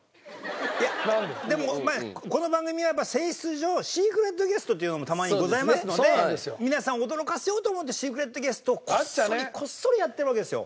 いやでもこの番組はやっぱ性質上シークレットゲストっていうのもたまにございますので皆さんを驚かせようと思ってシークレットゲストをこっそりこっそりやってるわけですよ。